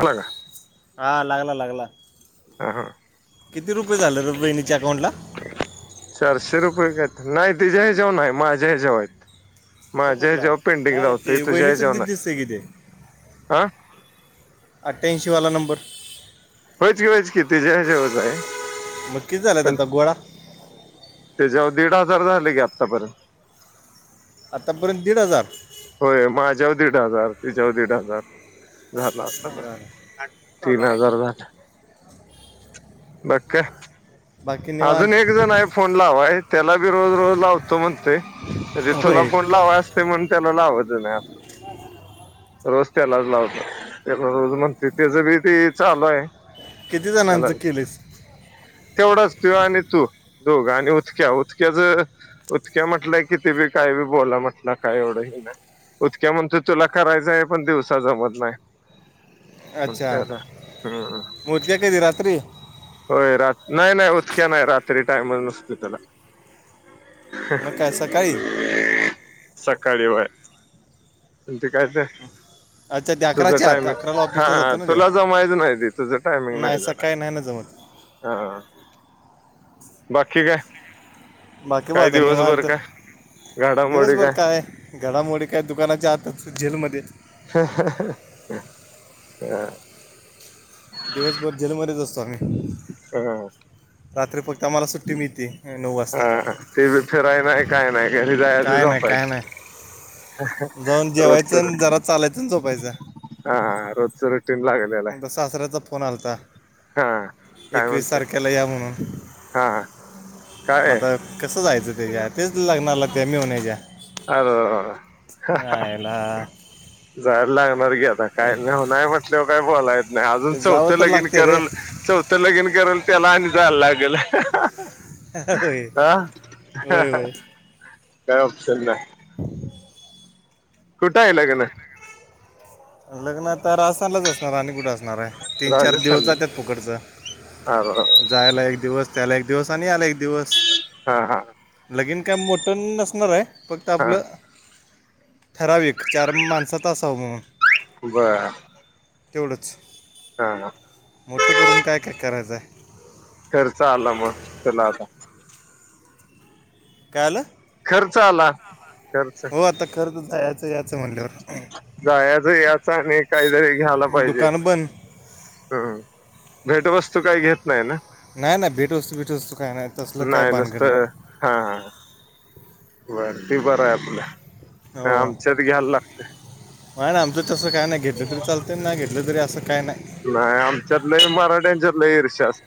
अला का? हा लागला लागला का हा किती रुपये झाले र बहिणीच्या अकाउंटला? चारशे रुपये कात नाही तिच्या हेज्यावय नाहीत माझ्या ही ज्याव हाइत. तो माझ्या हे कुठला आहे ज्याव पेंडिंग नाही लावतोय ते तुझ्या बहिणीचं हेज्याव दिस नाही दिसतंय की ते आ. अठठ्याऐंशीवाला नंबर. व्ह्यच की व्ह्यच ती ज्या हे ज्याव नाय. मग किती झाल्यात आता गोळा. त्याच्यावर दीड हजार झाले की आत्तापर्यंत. आतापर्यंत दीड हजार. होय माझ्यावर दीड हजार तिच्यावर दीड हजार झाला आता बरं तीन हजार झाल. बाकी काय. बाकी अजून एक निवांत जण आहे फोन लावाय त्याला बी रोज रोज लावतो म्हण - तय ते तुला होय फोन लावाय असतय म्हणून त्याला लावात नाही असं. रोज त्यालाच लावतो त्याला रोज म्हणते त्याज बी ते चालूय. किती जणांचं केलेस. तेवढाच तू आणि तू दोघ आणि उदक्या उदक्याच. उतक्या म्हटलंय किती बी काय बी बोला म्हटलं काय एवढं हे नाय उतक्या म्हण तू चुला करायचां आहे पण दिवसा जमत नाही. अच्छा म्हणतोय हम्म म उदक्या कधी म रात्री. होय रात नाही नाही उतक्या नाही रात्री टाइमच नसतोय त्याला. मग काय सकाळी. काळी होय आणि ते काय ते अच्छा ते तुझं अकराच्या आत टायमिंग अकराला हा ऑफिसला हा जातो ना तुला जमायज नाही त तुझं टायमिंग नाही जा काय नाही ना जमत. हा. बाकी काय? बाकी बा काय दिवसभर धन्यवाद. काय दिवसभर काय घडामोडी काय दुकानाच्या आतात जेलमध्येच. अहं अहं हं. दिवसभर जेलमध्येच असतो आम्ही. अ रात्री प आम्हाला सुट्टी मिळते नऊ वाजता. हा ते बी फिराय नाही काय नाही घरी जायचं काय नाही काय झोपायचं नाही. जाऊन जेवायचं रोजच न जरा चालायचं झोपायचं. हा रोजच रुटीन लागल्या. एकदा सासऱ्याचा फोन आलता. हा काय एकवीस म्हणतय तारखेला या म्हणून. हा काय मता कसं जायचं त्याच्या तेच लग्नाला त्या मेव्हण्याच्या? आ अहं आयला जायला लागणार की आता काय नाही म्हटल्यावर काय बोलायेत नाही अजून ते जावं चौथ तर लगिन लागते रे करल चौथं लगिन करल त्याला आणि जायला लागल. होय आ होय होय काय ऑप्शन नाही. [inaudible] कुठ आहे लग्न? लग्न आता राजस्थानला असणार आणि कुठ असणार हाय? तीन, चार दिवस राजस्थानला जात्यात फुकटच. हा जायला एक दिवस त्याला एक दिवस आणि याला एक दिवस. हा हा. लगिन काय मोठं नसणार आहे फक्त हा आपलं ठराविक चार माणसात असाव म्हणून. बर. तेवढंच. हा हा. मोठं करून काय काय करायचं हाय. खर्च आला मग त्याला आता. काय आलं? खर्च आला खर्च. खर्चच हाय. याचं म्हणल्यावर जायचं याच आणि काहीतरी घ्यायला पाहिजे दुकान बंद. हम्म. भेटवस्तू काय घेत नाही ना? नाय नाय. भेटवस्तू बीटवस्तू का नाय. तसलं काय नाही भानगड नाही. नुसतं हा हा. वरती बरं हाय आपल. नाही हो आमच्यात घ्यायला लागतय. नाही आमचं तसं काय नाही घेतलं तरी चालतय ना घेतलं तरी असं काय नाय. नाही आमच्यातलं मराठ्यांच्यातलं लई ईर्षा अस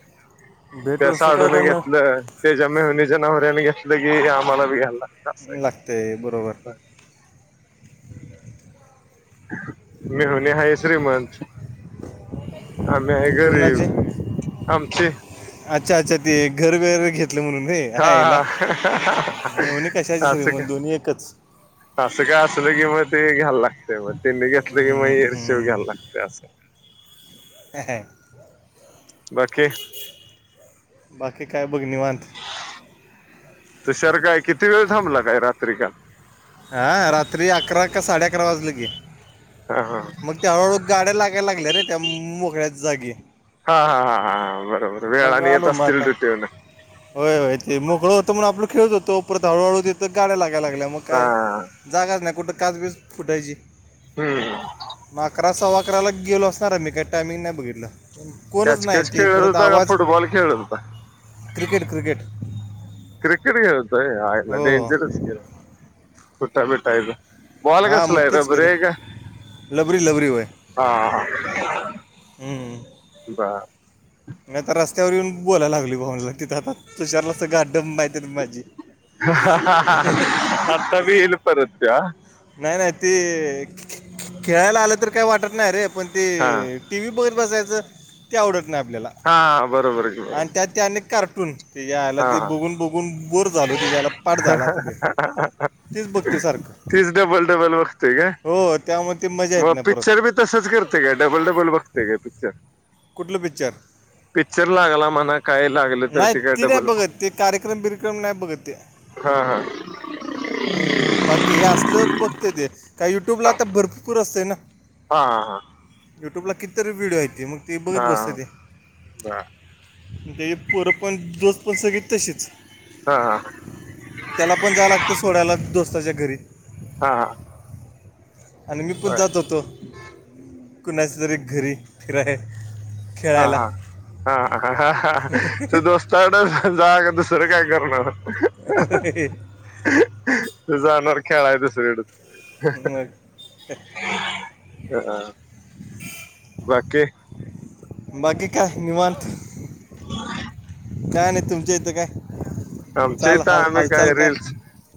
त्या भेटवस्तू काय साडून पण घेतलं. त्याच्या मेहुणीच्या नवऱ्याने घेतलं की आम्हाला बी घ्यायला लाग लागतय बरोबर. मेव्हणी हाय श्रीमंत. आम्ही आहे कु- कुणाची गरीब. आमची अच्छा अच्छा. ते घर वगरे घे म्हणून होय. हा [unintelligible] मेवणी कशाची असं का श्रीमंत दोन्ही एकच. असं काय असलं की मग ते घ्यायला लागतय. मग त्यांनी घेतलं की मग इरशेवर हम्म. घ्याला ला ते असं. अह्या. बाकी बाकी काय बघ निवांत. तुषार काय किती वेळ थांबला काय रात्री काल? हा. रात्री अकरा का साडे अकरा वाजले की. हा हा हा. मग त्या हळूहळू गाड्या लागायला लागल्या रे त्या मोकळ्या जागी. हा हा हा हा बरोबर मंग वेळाने येत आलो म असतील आता. ड्युटीवरनं होय ते मोकळं होतंण आपलं खेळत होतो परत हळूहळू देतं गाड्या लागयला लागल्या मग हा काय जागाच नाही कुठं काचबीज फुटायची. हम्म. मग अकरा सव्वा अकरा ला गेलो असणार मी काय टायमिंग नाही बघितलं. कोणच नाही कॅचकॅच ते खेळत परत होता का आवाज फुटबॉल खेळत होता क्रिकेट क्रिकेट. क्रिकेट खेळत होता काय आयला हो हो डेंजरच केल. [unintelligible] बॉल हां कसलाये मग तेच की रबरी रे हाय का लबरी लबरी होय हा हा. हम्म. बा. म आता रस्त्यावर येऊन बोलाय लागली भाऊंनला तीथ आता तुषारला अस गाडं माहित येत माझी. आता बी येईल परत त्या. नाही नाही ते खे- खे खेळायला आलं तर काही वाटत नाही रे पण ते हा टी व्ही बघत बसायचं ते आवडत नाही आपल्याला. हा बरोबर. की आणि बरोबर त्यात ते अनेक कार्टून तीज्या आईला ते हा बघून बघून गुण बोर झालो त्याच्या आईला पाठ झाला आता ते तेच बघतोय सारखं ते काय हो त्यामुळे ते मजा येत म नाही परत पिक्चर बी तसच करते काय डबल डबल बघते काय पिक्चर. कुठलं पिक्चर? पिकच्चर लागला म्हणा काय लागलं तर नाही ते काय नाही डबल बघत ते कार्यक्रम बिरक्रम नाही बघत ते हा हा. बाकी हे असलं बघत ते का युट्यूबला आता भरपूर असतंय ना. हा हा हा. युट्यूबला किती तरी व्हिडिओ आहेत ती मग. ते बघत हा हा बसतं हा बा. ते पोर पण दोस पण सगळी तशीच. हा हा. त्याला पण जा लागते सोडायला दोस्ताच्या घरी. हा हा. आणि मी पण जात होतो कुणाच तरी घरी फिराय. हा खेळायला हा हा तु [unintelligible] दोस्ताकडे जाग दुसरं काय करणार. [unintelligible] तु जाणार खेळाय दुसरीेडच. मग. बाकी बाकी काय निवात. काय नाही तुमच्या इथं काय. आमचा चाल इथं हाल आम्ही हालचाल काय रीलस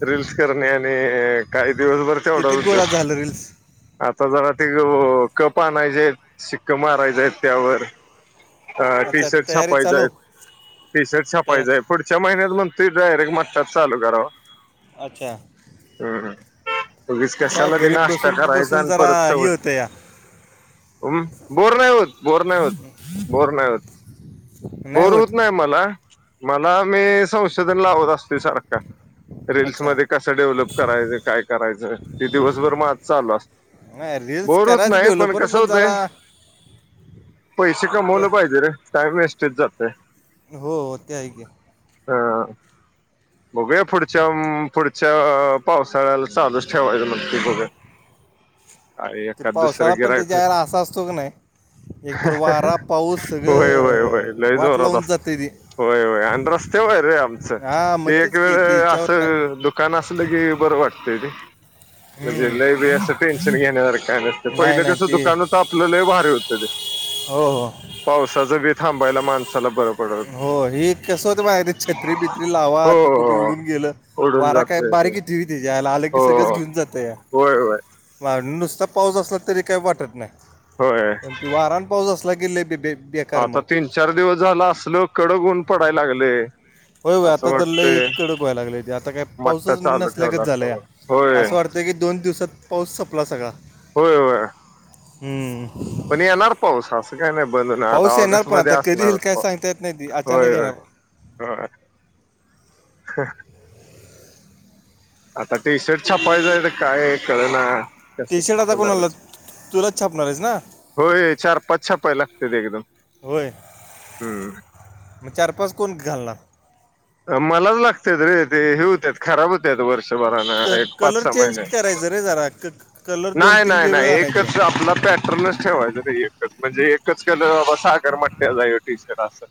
रीलस करणे आणि काही दिवसभर तेवढा किती उदयोग. गोळा झालं रील्स आता जरा ते अ कप आणायचे आहेत शिक्क मारायचे आहेत त्यावर. अ टी अच्छा शर्ट तयारी छापायचं चालू आहेत टी शर्ट तयार छापायचं आहेत. पुढच्या महिन्यात म्हणतोय डायरेक्ट मठ्ठाच चालू करावा. अच्छा. हम्म उगूच काय कशाला ते घरी नास्ता बसून करायचा बसून आणि जरा परत हे सवय होतं या बोर नाही होत बोर नाही होत बोर नाही होत. बोर होत नाही मला मला मी संशोधन लावत असतोय सारखा. अच्छा रीलल्समध्ये कसं डेव्हलप करायचं काय करायचं ते दिवसभर माझ चालू असत. नाही रील्स बोर होत करायचं नाही पण डेव्हलपर कसं होतय जरा पैसे त्या कमवलं पाहिजे रे. टाइम वेस्टेज जातोय. हो हो ते आहे क हा. बघूया पुढच्या पुढच्या पावसाळ्याला चालू ठेवायच म्हणतोया बघया. [inaudible] ते पावसाला पण त्याच्या वला असा असतो की नाही. एकतर वारा पाऊस होय होय होय सगळं लय वाट जोरात लावून जात असते ती. होय होय आणि रस्ते वैरे आमचं हा मग ते एक तेच की ती वेळ याच्यावर नाही असं दुकान असलं की बरं वाटतय ते. म्हणजे हम्म. लय बी असं टेन्शन घेण्यासारख काय नसत नाही पहिलं नाही कसं ते दुकानात आपलं लय भारी होतं ते. हो हो. पावसाचगी थांबायला माणसाला बरोबर. हो हे कसं होत माहेरी छत्री बित्री लावा हो त कुठं उडून हो गेलं. उडून वारा काय जातय बारीक ते. ठेवी त्याच्याला आलं की हो सगळंच हो घेऊन जातं होय होय या. नुसता पाऊस असला तरी काही वाटत नाही होय. प त वारां पाऊस असला की लय [inaudible] आता तीन चार दिवस झाला असल कडकऊन पडायला लागले. होय होय आता तर ल एक कडक व्हायला लागले ते आता काय मठ्ठा पाऊसच चालू नसल्याकच ठेवला असता झालाय या. बघा होय असं वाटतं की दोन दिवसात पाऊस संपला सगळा. होय होय. हम्म. पण येणार पाऊस काही नाही बन ना आता पाऊस येणार ऑगस्ट पण मध्ये आता कधी असणार येईल काय सांगता येत नाही ती होय अचानक होय. येणार हा. आता टी शर्ट छापायचंय काय कळ ना. टी शर्ट आता कोण? होय चार पाच छापाय लागते ते एकदम. होय हम्म. मग चार पाच कोण घालणार? मलाच लागते रे ते हे होत खराब होत आहेत वर्षभरान एक पाच सहा महिने अरे जरा एक नाही नाही नाही एकच आपला प च ठेवायचं नाही एकच म्हणजे एकच केलं बाबा साकार म्हटल्या जाई टी शर असं.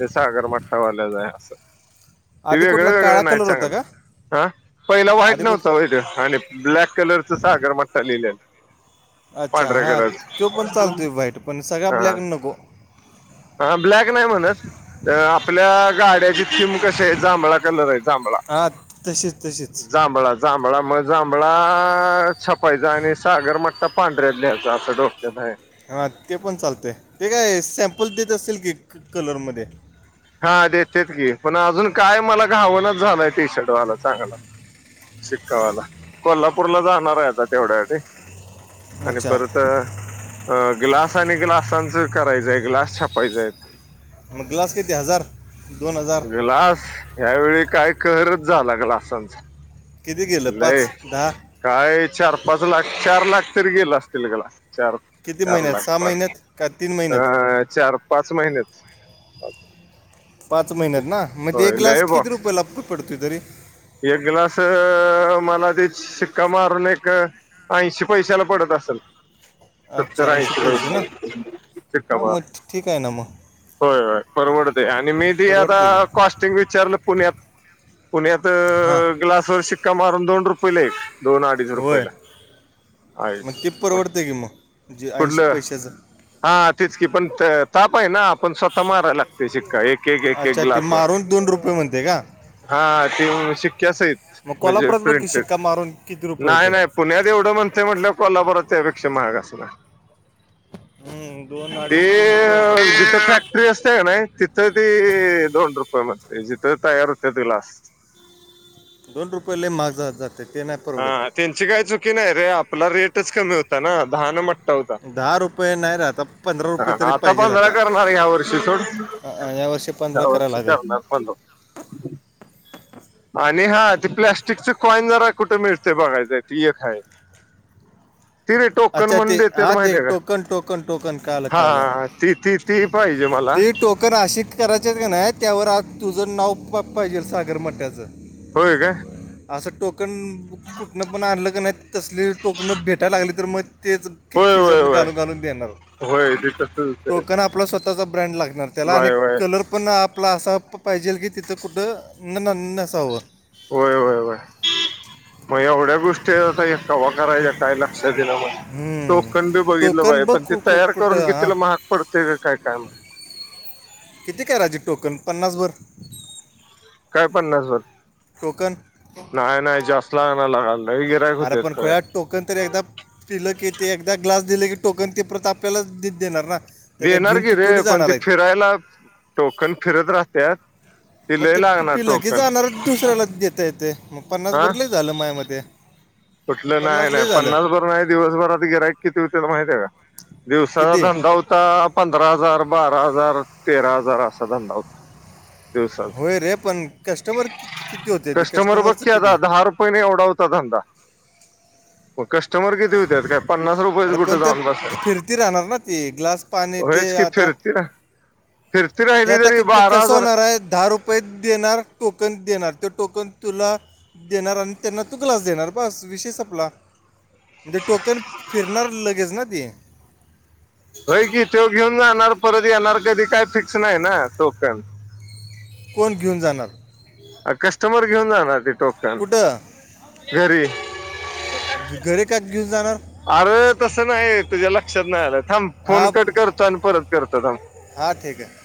ते सागर मठठावाल्या जा आहे असं ते आधी वेगळे कुठला वेगळें काळा नाही कलर होता चांगलं. का हा पहिला वा्हाईट आधी कुठ नव्हतं वहिट आणि ब्लॅक कलरचं सागर म चा अच्छा हां पांढऱ्याकरच तो पण चालतोय व्हाईट पण सगळा हा. ब्लॅक नको हा ब्लॅक नाही म्हणत आपल्या गाड्याची जिम कशी आहे जांभळा कलर आहे जांभळा हां तशीच तशीच जांभळा. जांभळा मग जांभळा छपायचा आणि सागर मटत पांढऱ्यात ल्यायचा असं डोक्यात आहे. हा ते पण चालतय ते काय सॅम्पल देत असल की कलरमध्ये हा देतेेत की पण अजून काय मला घावणच झालंय टी शर्टवाला चांगला शिक्कावाला कोल्हापूरला जाणार आहे आता तेवढ्यासाठी आणि अच्छा परत अ ग्लास आणि ग्लासांचं करायचंय ग्लास छापायचाय. अमर ग्लास क इ ति हजार. दोन हजार ग्लास ह्यावेेळी काय कहरचं झाला ग्लासांचा. किती गेलं नाही. पाच दहा काय चार पाच लाख चार लाख तिरीगल असतील गला चार. किती चार महिन्यात लाख सहा पाच महिन्यात का तीन महिन्यात अ चार पाच महिन्यात. पाच महिन्यात ना मग ते एक होय लय ग्लास किती बॉक्स रुपये ला पडतोय तरी एक ग्लास मला ते शिक्का मारून एक. ऐंशी पैशाला पडत असेल. सत्तर अच्छा ऐंशी पैसे ना पैसे हां [unintelligible] मग ठी- ठीक आहे ना मग होय होय परवडतय आणि मी बि आता परवडते की कॉस्टिंग विचारलं पुण्यात पुण्यात हा ग्लास वर शिक्का मारून दोन रुपये ला एक दोन अडीच होय रुपयेला अय मग ते परवडते की मग जे ऐंशी कुठलं पैशाचं हा तेच की पण ताप आहे ना आपण स्वतः मारायला ते शिक्का एक एक एक एक अच्छा ते ग्लासवर मारून दोन रुपये म्हणते का हा शिक्यासहित मग म्हणजे कोल्हापुरात बघ की प्रिंटेड शिक्का मारून किती रुपये नाही होते नाही पुण्यात एवढं म्हणतोय म्हटल्यावर कोल्हापुरात त्यापेक्षा महाग असणार हम्म, दोन ते अडीच तीन रुपये असेल जिथं फॅ क्ट्री असत्या कनाही तिथं ती दोन रुपये म्हणतंय जिथं तयार होतात ग्लास दोन रुपये ले महाग जातंय ते नाही परवडत हा त्यांची काय चुकी नाही रे आपला रेटच कमी होता ना दहानं हो दहा रुपये नाही राहत आता पंधरा रुपये तरी आता पाहिजे पंधरा करणार या वर्षी सोड अ- अ, यावर्षी पंधरा या करावं वर्षी लागेल करणार पंधरा आणि हा ते प्लॅटिकच कॉइन जरा कुठे मिळते बघायचंय त एक आहे ते नई टोकन अच्छा म्हणून ते देत्यात हा ते माहितीये का टोकन टोकन टोकन काल काल हा ती ती ती पाहिजे मला राशीद करायचं हाय कनाही त्यावर आ तुझं नाव पाहिजे सागर मठ्याचं होय काय असं टोकन कुठनं पण आणलं का नाही तसली टोकणं भेटायला लागली तर मग तेच होय किकी होय जर होय घालून घालून देणार होय ते तसच टोकन आपला स्वः ब्रँड लागणार त्याला आणि व्हय व्हय लर पण आपला असा पाहिजेल की तिथं कुठं न न नसावं होय होय होय मग एवढ्या गोष्टी आता कवा करायच्या काय लक्षात दिलं म हम्म. टोकन बी बघितलं टोकन पाये बघ पण ते कु- कु- तयार कुठं करून की हा तिला महाग पडते का काय काय माहीत किती करायचेत टोकन पन्नासभर काय पन्नासभर टोकन नाही नाही जास्त लागणार ना लगा आरं पण खुळ्या टोकन तरी एकदा पिलं की ते एकदा ग्लास दिले की टोकन ते परत आपल्यालाच देणार ना ते काय देणार घेऊन की तू रे थोडी पण जाणार ते आहेत फिरायला टोकन फिरत राहत्यात मग लय ते प लागणार पिलं के टोकन जाणारच दुसऱ्याला देता येते मग पन्नास हा भर लई झालं माया मते कुठलं नाही नाही पन्नासभर नाही दिवसभरात गिरायक किती होतील माहिते का दिवसाचा किती धंदा होता पंधरा हजार बारा हजार तेरा हजार असा धंदा होता दिवसाचा होय रे पण कस्टमर किती होते ते कस्टमर बघ की कस्टमरचं किती आता दहा रू पयनं एवढा होता धंदा कस्टमर किती हुत्यात काय पन्नास रुपयाच अरे कुठे पण ते जाऊन फिरती राहणार ना ती ग्लास पाणी बसायचं ते होयच की आता फिर तिला हे आता कसं होणार हाय दहा रुपये देणार टोकन देणार ते टोकन तुला देणार आणि त्यांना तू ग्लास देणार बस विषय संपला म्हणजे टोकन फिरणार लगेच ना ती होय की तो घेऊन जाणार परत येणार कधी काय फिक्स नाही ना टोकन कोण घेऊन जाणार? कस्टमर घेऊन जाणार ते टोक कुठं घरी का घेऊन जाणार? अरे तसं नाही तुझ्या लक्षात नाही आलं थांब फोन हा कट करतो आणि परत करतो थांब. हा ठीक आहे.